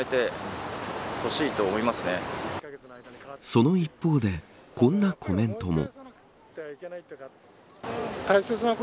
その一方でこんなコメントも。